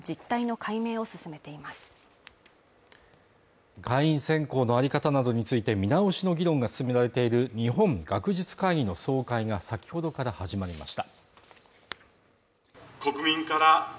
会員選考の在り方などについて見直しの議論が進められている日本学術会議の総会が先ほどから始まりました